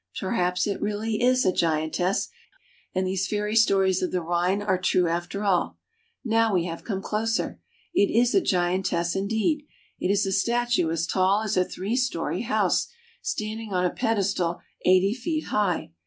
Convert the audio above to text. Perhaps it is really a giantess, and these fairy stories of the Rhine are true after all. Now we have come closer. It is a giantess indeed. It is a UP THE RHINE TO SWITZERLAND. .243 statue as tall as a three story house, standing on a pedestal eighty feet high.